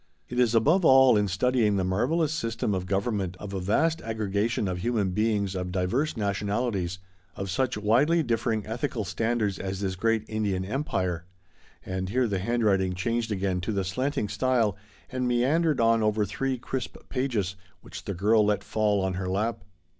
It is above all in studying the marvellous system of government of a vast aggregation of 116 THE STOBY OF A MODERN WOMAN. human beings of divers nationalities, of such widely differing ethical standards as this great Indian Empire " and here the handwrit ing changed again to the slanting style, and meandered on over three crisp pages which the girl*let fall on her lap.